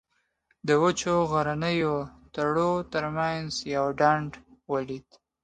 د وچو غرنیو تړو تر منځ یو ډنډ ولید.